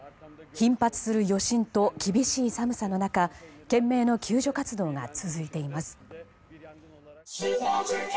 頻発する余震と厳しい寒さの中懸命の救助活動が続いています。